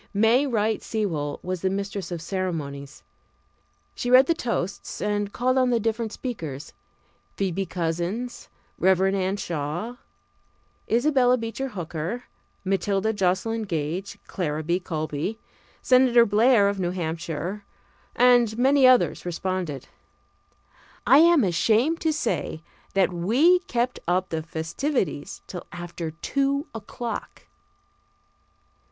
May Wright Sewall was the mistress of ceremonies. She read the toasts and called on the different speakers. Phoebe Couzins, Rev. Anna Shaw, Isabella Beecher Hooker, Matilda Joslyn Gage, Clara B. Colby, Senator Blair of New Hampshire, and many others responded. I am ashamed to say that we kept up the festivities till after two o'clock.